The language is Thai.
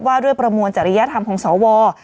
ว่าด้วยประมวลจริยธรรมของสว